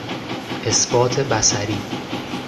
اثبات بصری